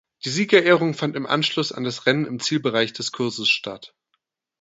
Die Siegerehrung fand im Anschluss an das Rennen im Zielbereich des Kurses statt.